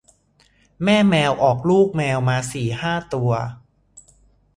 แม่แมวออกลูกแมวมาสี่ห้าตัว